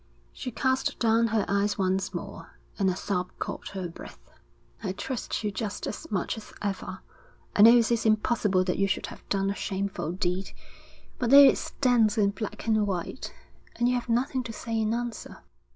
She cast down her eyes once more, and a sob caught her breath. 'I trust you just as much as ever. I know it's impossible that you should have done a shameful deed. But there it stands in black and white, and you have nothing to say in answer.'